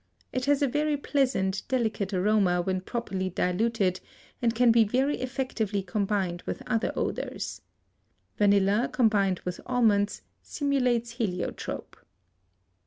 It has a very pleasant, delicate aroma when properly diluted and can be very effectively combined with other odors. Vanilla, combined with almonds, simulates heliotrope.